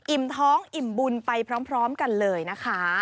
ท้องอิ่มบุญไปพร้อมกันเลยนะคะ